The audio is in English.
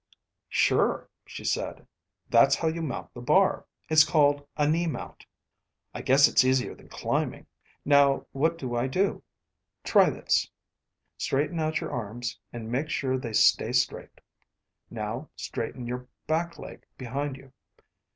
"Sure," she said. "That's how you mount the bar. It's called a knee mount." "I guess it's easier than climbing. Now what do I do?" "Try this. Straighten out your arms. And make sure they stay straight. Now straighten your back leg behind you."